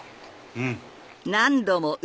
うん！